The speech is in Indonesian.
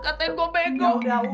katain gue bego